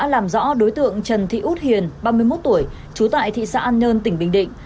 làm rõ đối tượng trần thị út hiền ba mươi một tuổi trú tại thị xã an nhơn tỉnh bình định